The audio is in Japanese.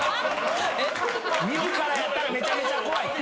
自らやったらめちゃめちゃ怖い。